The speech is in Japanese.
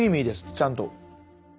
ちゃんと。